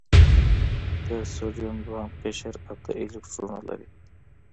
د سوډیم دوهم قشر اته الکترونونه لري.